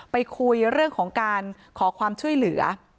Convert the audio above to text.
ไปคุยเรื่องของการขอความช่วยเหลือ